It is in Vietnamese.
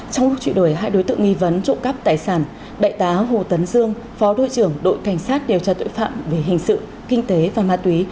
trong lúc chuyển đổi hai đối tượng nghi vấn trộm cắp tài sản đại tá hồ tấn dương phó đội trưởng đội cảnh sát điều tra tội phạm về hình sự kinh tế và ma túy